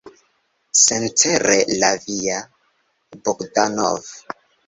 Sincere la via, Bogdanov.